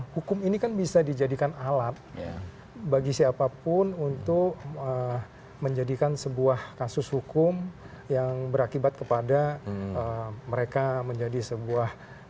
hukum ini kan bisa dijadikan alat bagi siapapun untuk menjadikan sebuah kasus hukum yang berakibat kepada mereka menjadi sebuah